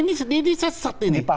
bukan ini sesat ini